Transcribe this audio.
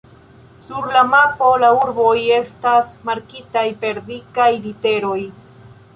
Sur la mapo la urboj estas markitaj per dikaj literoj.